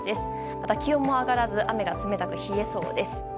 また、気温も上がらず雨も冷たく冷えそうです。